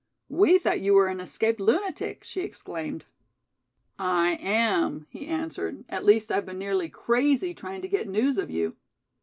"We thought you were an escaped lunatic," she exclaimed. "I am," he answered, "at least I've been nearly crazy trying to get news of you."